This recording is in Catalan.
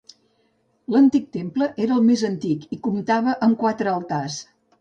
L'antic temple era més antic i comptava amb quatre altars.